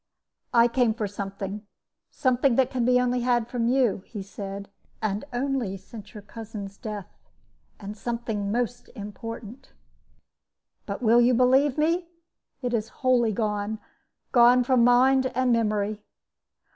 "I came for something, something that can be only had from you," he said, "and only since your cousin's death, and something most important. But will you believe me? it is wholly gone, gone from mind and memory!"